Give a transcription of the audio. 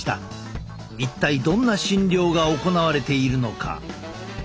一体どんな診療が行われているのか？